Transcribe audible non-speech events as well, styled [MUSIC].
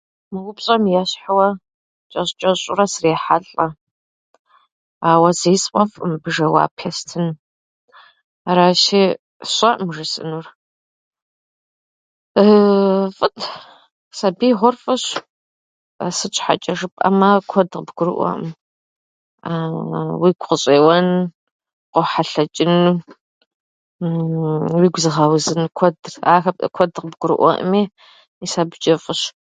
Мы упщӏэм ещхьууэ чӏэщӏ-чӏэщӏурэ срехьэлӏэ, ауэ зи сфӏэфӏӏым мыбы жэуап естын. Аращи, сщӏэӏым жысӏынур. [HESITATION] Фӏыт, сабиигъуэр фӏыщ. Сыт щхьэчӏэ жыпӏэмэ, куэд къыбгурыӏуэӏым, [HESITATION] уигу къыщӏеуэн, къохьэлъэчӏын, [HESITATION] уигу зыгъэузын куэд, ахэр ӏы- куэд къыбгурыӏуэркъыми, мис абычӏэ фӏыщ.